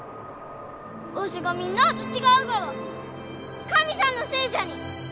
わしがみんなあと違うがは神さんのせいじゃに！